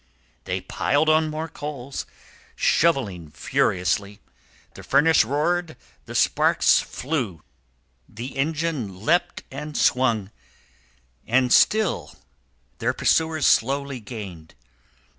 They piled on more coals, shovelling furiously; the furnace roared, the sparks flew, the engine leapt and swung but still their pursuers slowly gained.